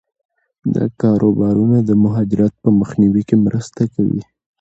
دا کاروبارونه د مهاجرت په مخنیوي کې مرسته کوي.